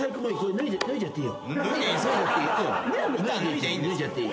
脱いじゃっていい。